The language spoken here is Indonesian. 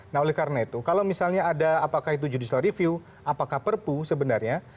nah oleh karena itu kalau misalnya ada apakah itu judicial review apakah perpu sebenarnya